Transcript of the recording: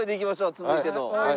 続いての。